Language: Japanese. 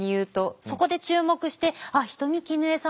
そこで注目して「あっ人見絹枝さん